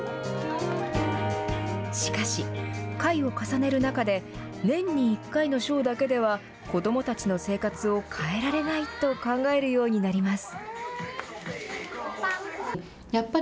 しかし、回を重ねる中で年に１回のショーだけでは子どもたちの生活を変えられないと考えるようになります。